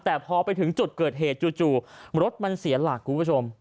แต่พอไปถึงจุดเกิดเหตุจู่รถมันเสียหลักคุณผู้ชม